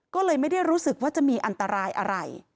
ก็เลยไม่ได้รู้สึกว่าจะมีอันตรายอะไร